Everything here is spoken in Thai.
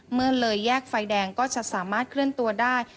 เมื่อเลยแยกไฟแดงก็จะสามารถเคลื่อนตัวได้